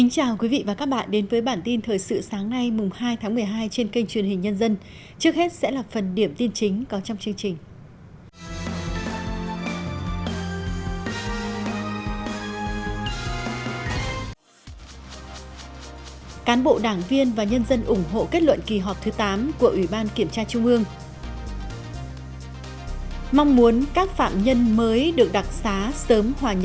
chào mừng quý vị đến với bản tin thời sự sáng nay hai tháng một mươi hai trên kênh truyền hình nhân dân